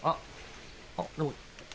あっどうも。